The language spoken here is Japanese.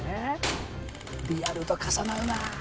リアルと重なるな。